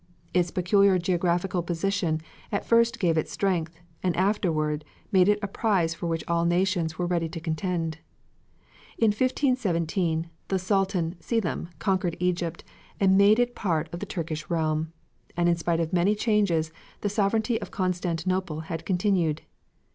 Its peculiar geographical position at first gave it strength, and afterward made it the prize for which all nations were ready to contend. In 1517 the Sultan Selim conquered Egypt and made it part of the Turkish realm, and in spite of many changes the sovereignty of Constantinople had continued.